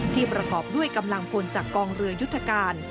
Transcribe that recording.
ประกอบด้วยกำลังพลจากกองเรือยุทธการ